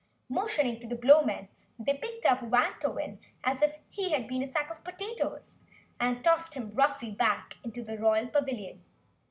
Motioning to the Blowmen, they picked up Wantowin as if he had been a sack of potatoes, and tossed him roughly back into the Royal Pavilion.